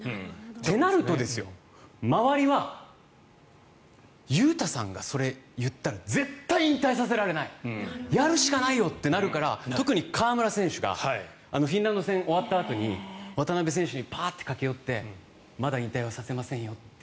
となると、周りは雄太さんがそれを言ったら絶対引退させられないやるしかないよということで特に河村選手がフィンランド戦終わったあとに渡邊選手にパーッと駆け寄ってまだ引退はさせませんよって。